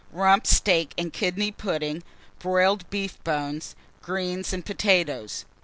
Rump steak and kidney pudding, broiled beef bones, greens and potatoes.